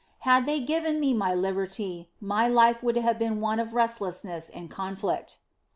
Had they given me my liberty, my life would have been one of restlessness and conflict."